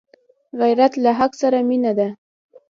غیرت له حق سره مینه ده